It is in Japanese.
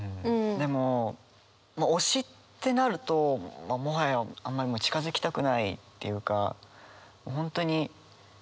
でも推しってなるともはやあんまり近づきたくないっていうか。